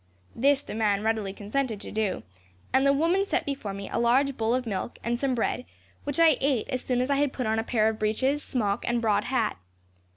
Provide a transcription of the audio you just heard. "This the man readily consented to do, and the woman set before me a large bowl of milk, and some bread, which I ate as soon as I had put on a pair of breeches, smock, and broad hat.